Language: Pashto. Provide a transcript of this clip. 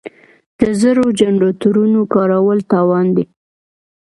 د زړو جنراتورونو کارول تاوان دی.